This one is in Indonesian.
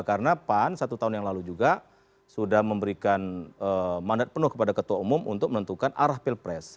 karena pan satu tahun yang lalu juga sudah memberikan mandat penuh kepada ketua umum untuk menentukan arah pelpres